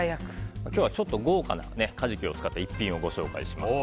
今日はちょっと豪華なカジキを使った一品をご紹介します。